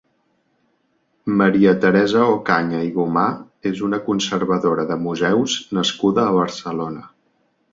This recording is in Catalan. Maria Teresa Ocaña i Gomà és una conservadora de museus nascuda a Barcelona.